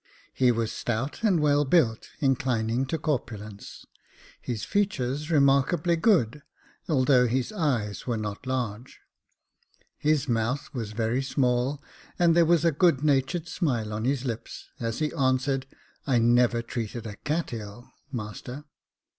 He was stout and well built, inclining to corpulence \ his features remarkably good, although his eyes were not large. His mouth was very Jacob Faithful 49 small, and there was a good natured smile on his lips, as he answered, " I never treated a cat ill, master."